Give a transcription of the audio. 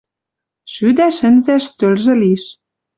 Шӱдӓ шӹнзӓш стӧлжӹ лиш.